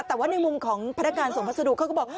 แต่ว่าในมุมของพนักงานส่งพัสดุเขาก็บอก